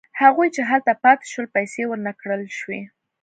هغوی چې هلته پاتې شول پیسې ورنه کړل شوې.